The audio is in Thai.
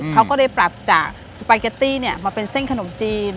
เขาก็เลยปรับจากสปาเกตตี้มาเป็นเส้นขนมจีน